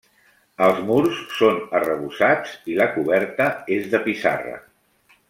Els murs són arrebossats i la coberta és de pissarra.